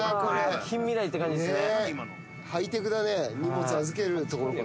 近未来って感じっすね。